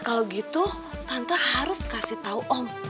kalau gitu tante harus kasih tahu om